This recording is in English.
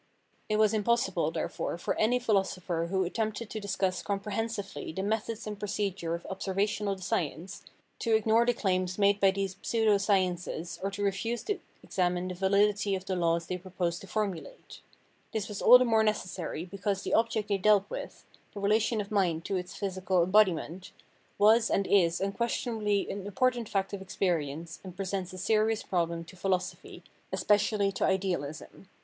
It was impossible therefore for any philosopher who attempted to discuss comprehensively the methods and procedure of observational science to ignore the claims made by these pseudo sciences or to refuse to examine the validity of the laws they proposed to formulate. This was all the more necessary because the object they dealt with — the relation of mind to its physical embodiment — was and is unquestionably an important fact of experience and presents a serious problem to philo 296 Physiognomy and Phrenology 297 sopty, especially to idealism.